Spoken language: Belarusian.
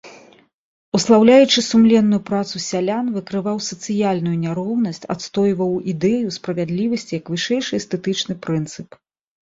Услаўляючы сумленную працу сялян, выкрываў сацыяльную няроўнасць, адстойваў ідэю справядлівасці як вышэйшы эстэтычны прынцып.